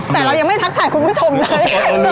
แต่เรายังไม่ทักทายคุณผู้ชมเลย